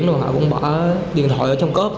rồi họ cũng bỏ điện thoại ở trong cốp